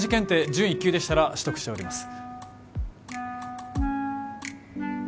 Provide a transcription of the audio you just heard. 準一級でしたら取得しております